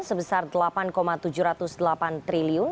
sebesar rp delapan tujuh ratus delapan triliun